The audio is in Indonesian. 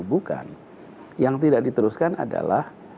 bukan yang tidak diteruskan adalah